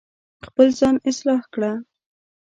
خپل ځان اصلاح کړه